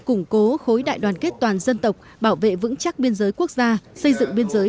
củng cố khối đại đoàn kết toàn dân tộc bảo vệ vững chắc biên giới quốc gia xây dựng biên giới